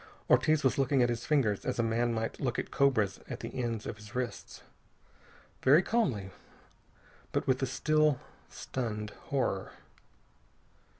Ortiz was looking at his fingers as a man might look at cobras at the ends of his wrists. Very calmly, but with a still, stunned horror.